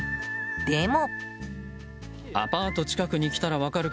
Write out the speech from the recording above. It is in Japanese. でも。